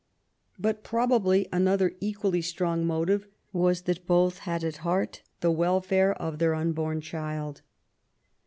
^' But probably another equally strong motive was, that both had at heart the welfare of their unborn child.